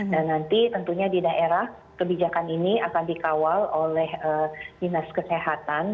dan nanti tentunya di daerah kebijakan ini akan dikawal oleh dinas kesehatan